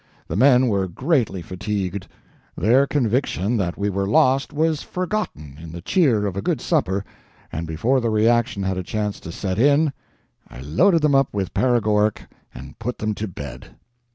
The men were greatly fatigued. Their conviction that we were lost was forgotten in the cheer of a good supper, and before the reaction had a chance to set in, I loaded them up with paregoric and put them to bed.